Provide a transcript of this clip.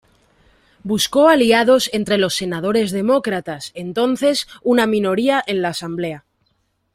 Buscó aliados entre los senadores demócratas, entonces una minoría en la asamblea.